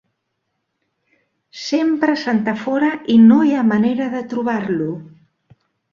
Sempre s'entafora i no hi ha manera de trobar-lo.